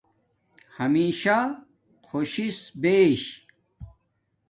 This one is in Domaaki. ہمشہ خوشش بیش